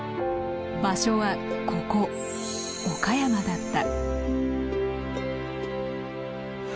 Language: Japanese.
場所はここ岡山だった。